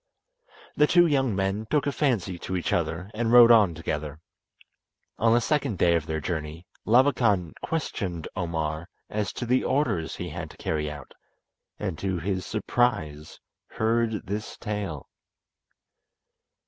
The two young men took a fancy to each other and rode on together. On the second day of their journey Labakan questioned Omar as to the orders he had to carry out, and to his surprise heard this tale.